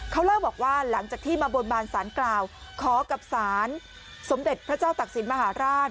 เขาเล่าบอกว่าหลังจากที่มาบนบานสารกล่าวขอกับศาลสมเด็จพระเจ้าตักศิลป์มหาราช